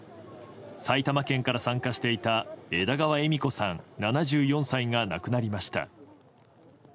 埼玉県から参加していた枝川恵美子さん、７４歳が亡くなりました。